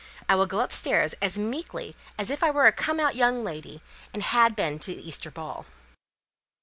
I will go upstairs as meekly as if I were a come out young lady, and had been to the Easter ball."